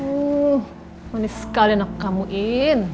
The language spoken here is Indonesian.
oh manis sekali anak kamu in